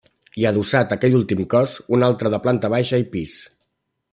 I adossat a aquest últim cos, un altre de planta baixa i pis.